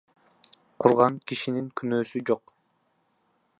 Курган кишинин күнөөсү жок.